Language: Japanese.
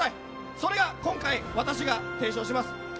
それが今回、私が提唱します